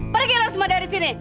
pergilah semua dari sini